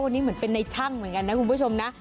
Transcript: นี่เหมือนเป็นในช่างเหมือนกันนะคุณผู้ชมนะ